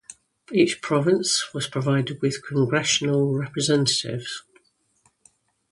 Each province was provided with congressional representatives.